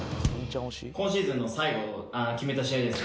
今シーズンの最後決めた試合でですね